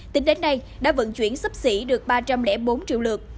tính đến nay đã vận chuyển sắp xỉ được ba trăm linh bốn triệu lượt